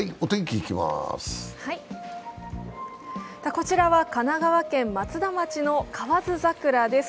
こちらは神奈川県松田町の河津桜です。